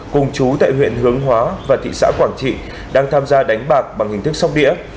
cùng chú tại huyện hướng hóa và thị xã quảng trị đang tham gia đánh bạc bằng hình thức sóc đĩa